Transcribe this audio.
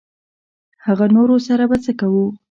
هغه نورو سره به څه کوو.